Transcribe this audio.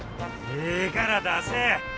ええから出せ！